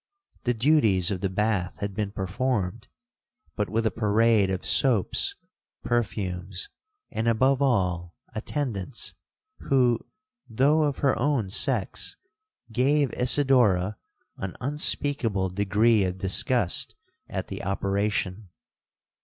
The duties of the bath had been performed, but with a parade of soaps, perfumes, and, above all, attendants, who, though of her own sex, gave Isidora an unspeakable degree of disgust at the operation.